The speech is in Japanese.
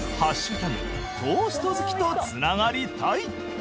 トースト好きと繋がりたい」